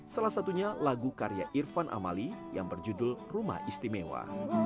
salah satunya lagu karya irfan amali yang berjudul rumah istimewa